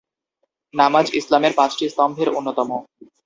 নামাজ ইসলামের পাঁচটি স্তম্ভের অন্যতম।